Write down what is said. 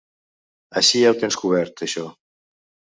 Així ja ho tens cobert, això.